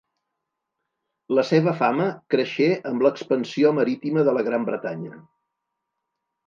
La seva fama creixé amb l'expansió marítima de la Gran Bretanya.